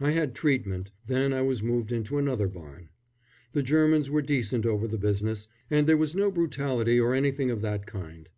I had treatment, then I was moved into another barn. The Germans were decent over the business, and there was no brutality or anything of that kind.